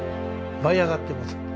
舞い上がってます。